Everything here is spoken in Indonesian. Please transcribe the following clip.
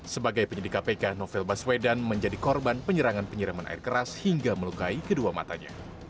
sebagai penyidik kpk novel baswedan menjadi korban penyerangan penyiraman air keras hingga melukai kedua matanya